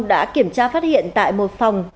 đã kiểm tra phát hiện tại một phòng